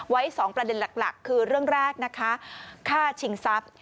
ไว้๒ประเด็นหลักคือเรื่องแรกนะคะฆ่าชิงทรัพย์